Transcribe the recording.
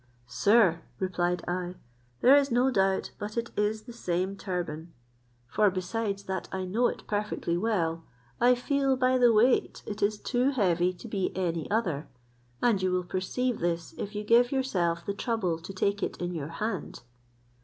"Sir," replied I, "there is no doubt but it is the same turban; for besides that I know it perfectly well, I feel by the weight it is too heavy to be any other, and you will perceive this if you give yourself the trouble to take it in your hand."